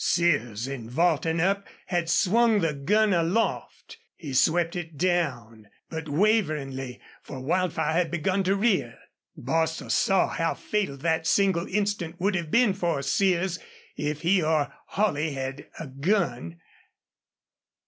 Sears in vaulting up had swung the gun aloft. He swept it down, but waveringly, for Wildfire had begun to rear. Bostil saw how fatal that single instant would have been for Sears if he or Holley had a gun.